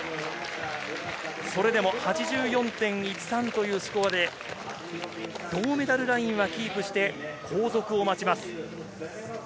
それでも８４．１３というスコアで銅メダルラインはキープして、後続を待ちます。